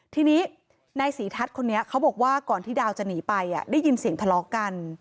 ทีนี้นายศรีทัศน์คนนี้เขาบอกว่าก่อนที่ดาวจะหนีไปได้ยินเสียงทะเลาะกัน